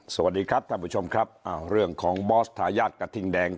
สวัสดีครับท่านผู้ชมครับอ้าวเรื่องของบอสทายาทกระทิงแดง